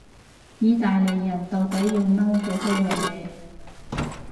意大利人到底要嬲幾多樣嘢？